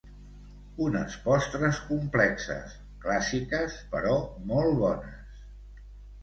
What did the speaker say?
Unes postres complexes, clàssiques, però molt bones!